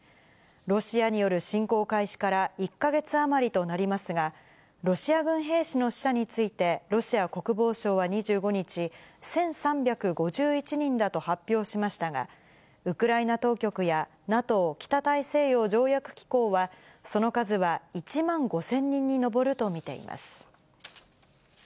ロシアによる侵攻開始から１か月余りとなりますが、ロシア軍兵士の死者について、ロシア国防省は２５日、１３５１人だと発表しましたが、ウクライナ当局やＮＡＴＯ・北大西洋条約機構は、その数は１万５０００人に上ると見ています。